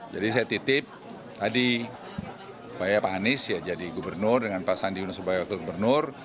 jadi saya titip tadi pak anies jadi gubernur dengan pak sandiaga uno sebagai wakil gubernur